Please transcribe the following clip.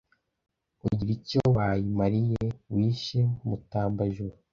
Ugira icyo wayimariye wishe Mutambajuru